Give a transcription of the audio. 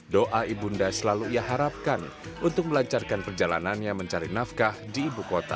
doa ibunda selalu ia harapkan untuk melancarkan perjalanannya mencari nafkah di ibu kota